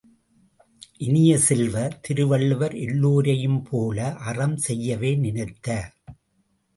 இனிய செல்வ, திருவள்ளுவர் எல்லோரையும் போல அறம் செய்யவே நினைத்தார்!